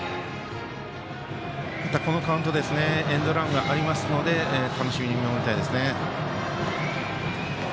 また、このカウントエンドランがありますので楽しみに見守りたいですね。